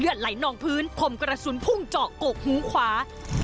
ไหลนองพื้นคมกระสุนพุ่งเจาะกกหูขวา